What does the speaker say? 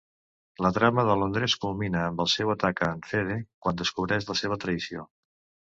La trama de Londres culmina amb el seu atac a en Fede quan descobreix la seva traïció.